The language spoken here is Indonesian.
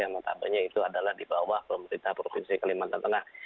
yang notabene itu adalah di bawah pemerintah provinsi kalimantan tengah